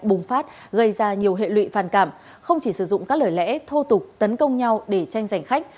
bùng phát gây ra nhiều hệ lụy phản cảm không chỉ sử dụng các lời lẽ thô tục tấn công nhau để tranh giành khách